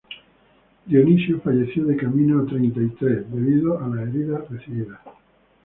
Dionisio falleció de camino a Treinta y Tres debido a las heridas recibidas.